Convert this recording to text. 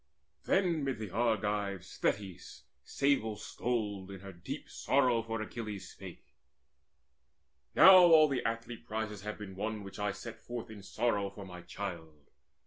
Then mid the Argives Thetis sable stoled In her deep sorrow for Achilles spake; "Now all the athlete prizes have been won Which I set forth in sorrow for my child.